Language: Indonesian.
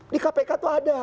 di kpk itu ada